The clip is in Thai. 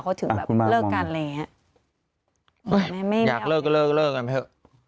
เขาถึงแบบเลิกกันอะไรอย่างเงี้ยไม่อยากเลิกก็เลิกเลิกกันไปเถอะ